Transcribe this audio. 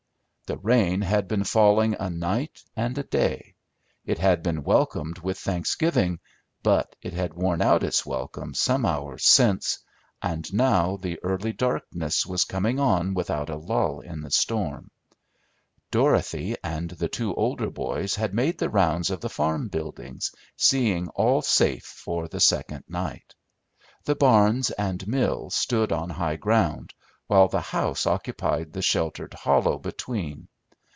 The rain had been falling a night and a day; it had been welcomed with thanksgiving, but it had worn out its welcome some hours since, and now the early darkness was coming on without a lull in the storm. Dorothy and the two older boys had made the rounds of the farm buildings, seeing all safe for the second night. The barns and mill stood on high ground, while the house occupied the sheltered hollow between.